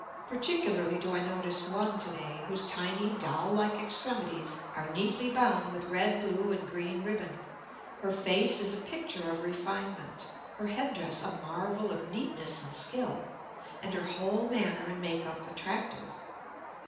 Particularly do I notice one to day, whose tiny, doll like extremities are neatly bound with red, blue, and green ribbon; her face is a picture of refinement, her head dress a marvel of neatness and skill, and her whole manner and make up attractive.